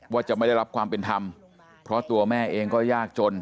ว่าจะไม่ได้รับความเป็นธรรมเพราะตัวแม่เองก็ยากจน